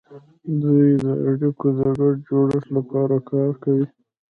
دوی د اړیکو د ګډ جوړښت لپاره کار کوي